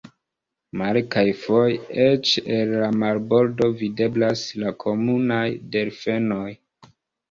Mare kaj foje eĉ el la marbordo videblas la komunaj delfenoj.